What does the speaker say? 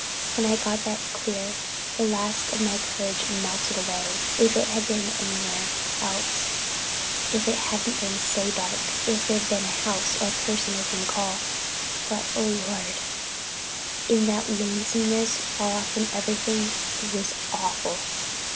When I got that clear, the last of my courage melted away. If it had been anywhere else, if it hadn't been so dark, if there'd been a house or a person within call, but, oh, Lord, in that lonesomeness, far off from everything—it was awful!